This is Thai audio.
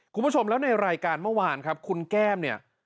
คุณผู้ชมแล้วในรายการเมื่อวานครับคุณแก้มเนี่ย